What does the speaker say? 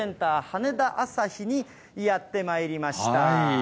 羽田旭にやってまいりました。